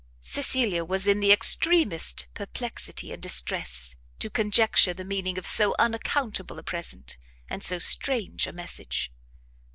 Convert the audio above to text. Cecilia was in the extremest perplexity and distress to conjecture the meaning of so unaccountable a present, and so strange a message.